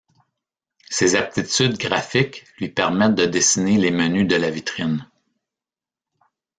Ses aptitudes graphiques lui permettent de dessiner les menus de la vitrine.